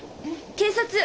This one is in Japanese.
警察！